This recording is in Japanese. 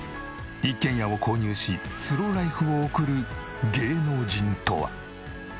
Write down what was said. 一軒家を購入しスローライフを送る芸能人とは？